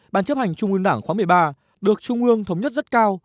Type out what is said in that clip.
ban chấp hành trung ương đảng khóa một mươi ba được trung ương thống nhất rất cao